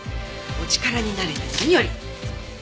お力になれて何より。